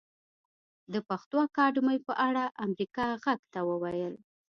د پښتو اکاډمۍ په اړه امريکا غږ ته وويل